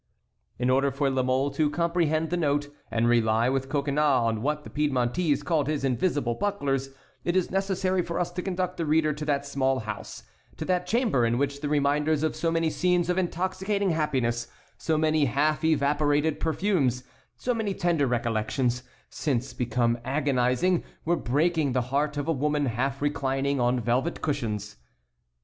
In order for La Mole to comprehend the note and rely with Coconnas on what the Piedmontese called his invisible bucklers it is necessary for us to conduct the reader to that small house, to that chamber in which the reminders of so many scenes of intoxicating happiness, so many half evaporated perfumes, so many tender recollections, since become agonizing, were breaking the heart of a woman half reclining on velvet cushions.